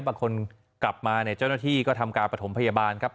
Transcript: กลับมาเนี่ยเจ้าหน้าที่ก็ทำการประถมพยาบาลครับ